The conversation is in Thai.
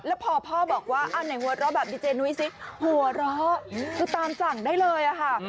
แล้วพอพ่อบอกว่าอันไหนหัวเราะแบบดีเจนุ้ยสิหัวเราะคือตามสั่งได้เลยค่ะ